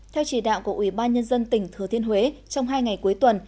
theo chỉ đạo của ubnd tỉnh thừa thiên huế trong hai ngày cuối tuần